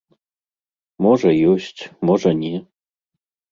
Можа, ёсць, можа, не.